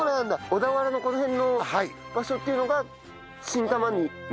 小田原のこの辺の場所っていうのが新玉ねぎに向いてる？